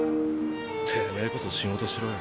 てめぇこそ仕事しろよ。